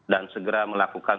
dan segera melakukan